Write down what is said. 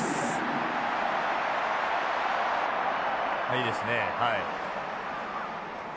いいですねはい。